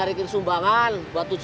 om promesnya sama bangonjak nya gak ada ya